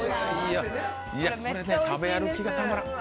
これね、食べ歩きがたまらん。